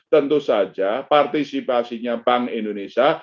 tentu saja partisipasinya bank indonesia